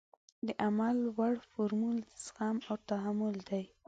د عمل وړ فورمول زغم او تحمل دی.